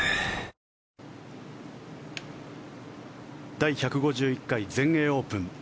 第１５１回全英オープン。